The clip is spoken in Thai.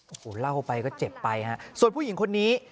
โอ้โหเล่าไปก็เจ็บไปฮะส่วนผู้หญิงคนนี้